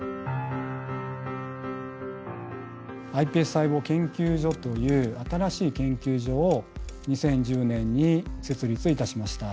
ｉＰＳ細胞研究所という新しい研究所を２０１０年に設立いたしました。